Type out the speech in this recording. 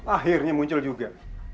akhirnya muncul juga